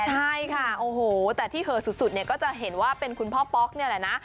ใช่ค่ะโอ้โหแต่ที่เหอสุดเนี่ยก็จะเห็นว่าเป็นคุณพ่อป๊อกนี่แหละนะ